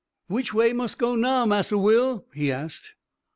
"Which way mus go now, Massa Will?" he asked.